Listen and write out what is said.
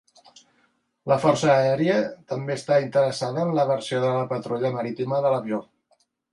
La Força Aèria també està interessada en la versió de patrulla marítima de l'avió.